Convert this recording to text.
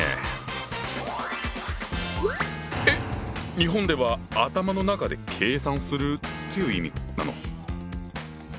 日本では「頭の中で計算する」という意味なの？